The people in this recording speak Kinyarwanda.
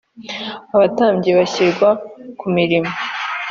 abatambyi bashyirwa ku mirimo